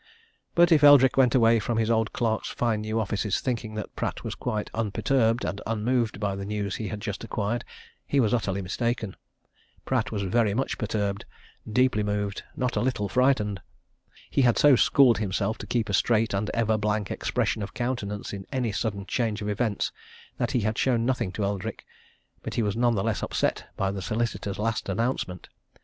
But if Eldrick went away from his old clerk's fine new offices thinking that Pratt was quite unperturbed and unmoved by the news he had just acquired, he was utterly mistaken. Pratt was very much perturbed, deeply moved, not a little frightened. He had so schooled himself to keep a straight and ever blank expression of countenance in any sudden change of events that he had shown nothing to Eldrick but he was none the less upset by the solicitor's last announcement.